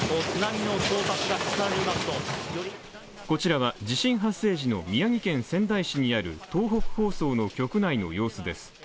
こちらは、地震発生時の宮城県仙台市にある東北放送の局内の様子です。